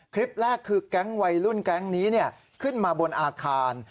คลิปแรกคือแก๊งวัยรุ่นแก๊งนี้ขึ้นมาบนอาคาร